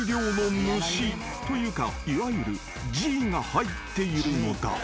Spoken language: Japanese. というかいわゆるＧが入っているのだ］